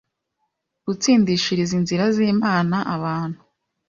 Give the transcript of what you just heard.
gutsindishiriza inzira z'Imana abantu